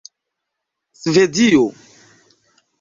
svedio